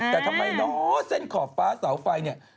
แต่ทำไมเนาะเส้นขอบฟ้าเสาไฟเนี่ย